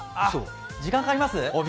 時間、かかります？